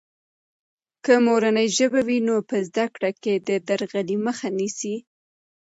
که مورنۍ ژبه وي، نو په زده کړه کې د درغلي مخه نیسي.